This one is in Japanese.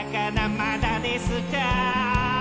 まだですか？」